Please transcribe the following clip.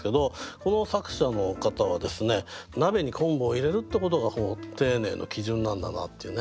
この作者の方はですね鍋に昆布を入れるってことが丁寧の基準なんだなっていうね。